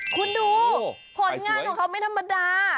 คุณดูผลงานของเขาไม่ธรรมดา